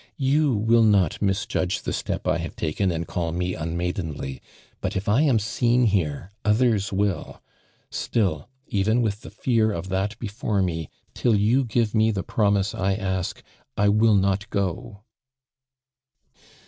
You will not misjudge the step I have taken and call me unmaidenly ; but, if I am seen here, others will. Still, even with the fear of that before me, till you give me the promiso I ask, I will not go."